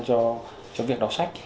cho việc đọc sách